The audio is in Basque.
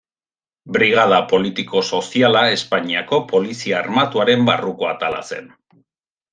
Brigada Politiko-soziala Espainiako Polizia Armatuaren barruko atala zen.